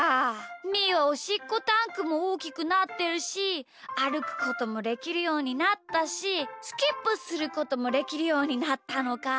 みーはおしっこタンクもおおきくなってるしあるくこともできるようになったしスキップすることもできるようになったのか。